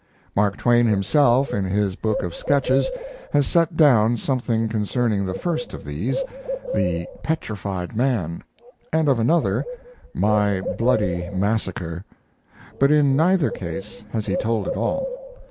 Mark Twain himself, in his book of Sketches, has set down something concerning the first of these, "The Petrified Man," and of another, "My Bloody Massacre," but in neither case has he told it all.